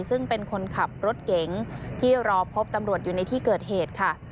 ซึ่งเป็นคนขับรถเก๋งที่รอพบตำรวจอยู่ในที่เกิดเหตุค่ะ